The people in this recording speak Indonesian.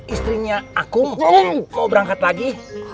istrinya aku mau berangkat lagi